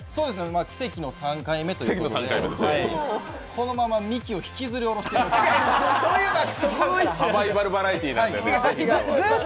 奇跡の３回目ということでこのままミキを引きずり下ろしてやろうかと。